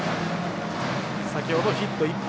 先ほど、ヒット１本。